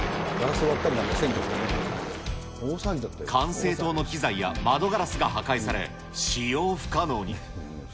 管制塔の機材や窓ガラスが破壊され、使用不可能に。